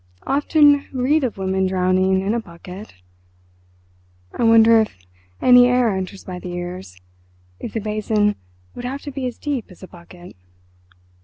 Often read of women drowning in a bucket. I wonder if any air enters by the ears—if the basin would have to be as deep as a bucket?"